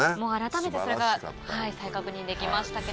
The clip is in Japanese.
改めてそれが再確認できましたけれども。